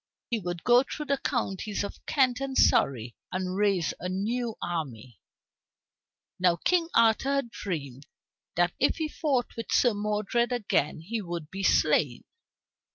He would go through the counties of Kent and Surrey and raise a new army. Now King Arthur had dreamed that if he fought with Sir Modred again he would be slain.